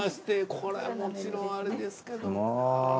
これはもちろんあれですけど。